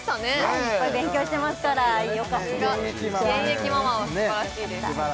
はいいっぱい勉強してますから現役ママ現役ママはすばらしいです